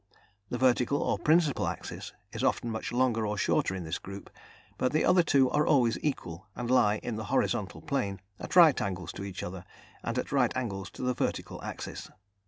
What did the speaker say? The vertical or principal axis is often much longer or shorter in this group, but the other two are always equal and lie in the horizontal plane, at right angles to each other, and at right angles to the vertical axis.